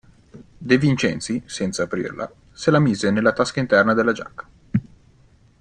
De Vincenzi, senza aprirla, se la mise nella tasca interna della giacca.